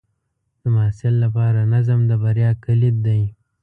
د محصل لپاره نظم د بریا کلید دی.